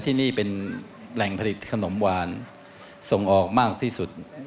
ที่นี่เป็นแหล่งผลิตขนมหวานส่งออกมากที่สุด